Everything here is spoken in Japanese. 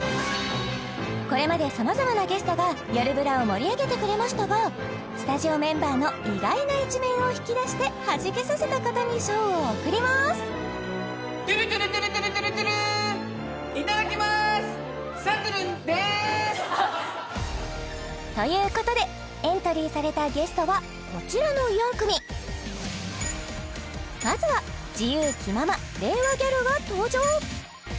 これまで様々なゲストが「よるブラ」を盛り上げてくれましたがスタジオメンバーの意外な一面を引き出してハジけさせた方に賞を贈りますということでエントリーされたゲストはこちらの４組まずは自由気まま令和ギャルが登場